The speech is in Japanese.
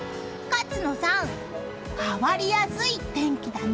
勝野さん、変わりやすい天気だね。